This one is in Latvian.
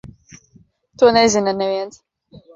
To nezina neviens.